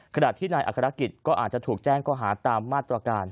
ขณะที่นายอัครกิจก็อาจจะถูกแจ้งก็หาตามมาตรการ